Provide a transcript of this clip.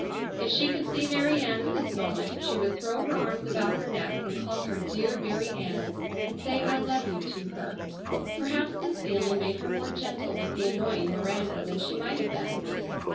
If she could see Mary Ann at this moment she would throw her arms about her neck and call her "Dear Mary Ann," and say, "I love you," to her. Perhaps this feeling made her more gentle with the annoying Miranda than she might have been.